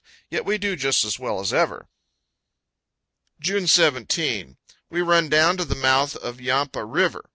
Yet we do just as well as ever. June 17. We run down to the mouth of Yampa River.